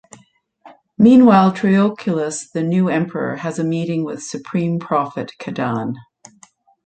Meanwhile, Trioculus, the new Emperor has a meeting with Supreme Prophet Kadann.